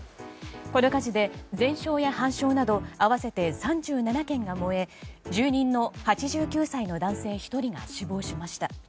この火事で全焼や半焼など合わせて３７軒が燃え住人の８９歳の男性１人が死亡しました。